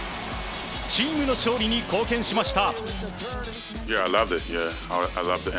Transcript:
チームの勝利に貢献しました。